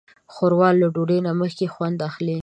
ښوروا له ډوډۍ نه مخکې خوند اخلي.